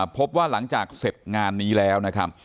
พบว่าหลังจากเสร็จงานนี้แล้วนะครับ